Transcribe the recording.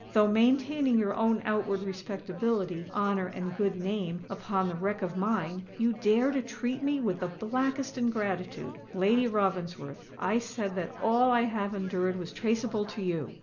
Though maintaining your own outward respectability, honour, and good name upon the wreck of mine, you dare to treat me with the blackest ingratitude! Lady Ravensworth, I said that all I have endured was traceable to you!